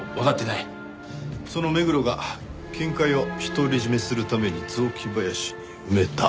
その目黒が金塊を独り占めするために雑木林に埋めた？